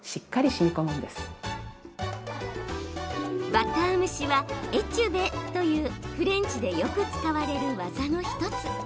バター蒸しは、エチュベというフレンチでよく使われる技の１つ。